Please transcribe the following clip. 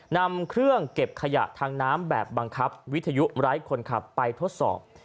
นำเครื่องเก็บขยะทางน้ำแบบบังคับวิทยุไร้คนขับไปทดสอบ